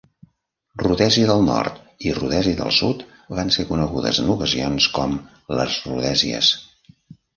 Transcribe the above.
Rodesia del Nord i Rodesia del Sud van ser conegudes, en ocasions, com "les Rodesies".